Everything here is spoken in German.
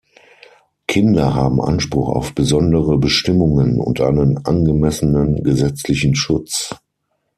Kinder haben Anspruch auf besondere Bestimmungen und einen angemessenen gesetzlichen Schutz.